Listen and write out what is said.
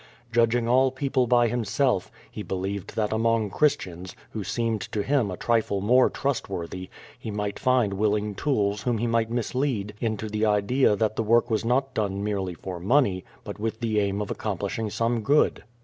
Judging all people by himself, he believed that among Christians, who seemed to him a trifle more trustworthy, he might find willing tools whom he might mislead into the idea that the work was not done merely for money, but with the aim of accomplishing some good.